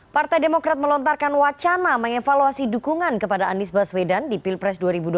partai demokrat melontarkan wacana mengevaluasi dukungan kepada anies baswedan di pilpres dua ribu dua puluh